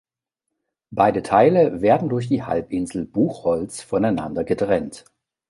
Beide Teile werden durch die Halbinsel "Buchholz" voneinander getrennt.